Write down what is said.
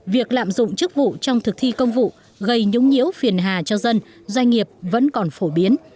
việc lạm dụng chức vụ trong thực thi công vụ gây nhũng nhiễu phiền hà cho dân doanh nghiệp vẫn còn phổ biến